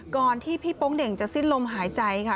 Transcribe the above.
ก่อนที่พี่โป๊งเด่งจะสิ้นลมหายใจค่ะ